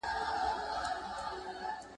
پوهانو پخوا دا نظريې ورکړي وې.